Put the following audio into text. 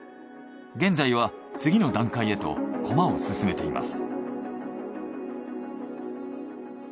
現在は次の段階へと駒を進めています。